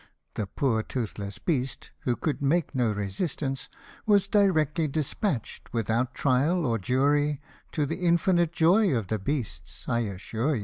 The poor toothless beast, who could make no resistance, Was directly despatch'd, without trial or jury, To the infinite joy of the beasts, I assure ye.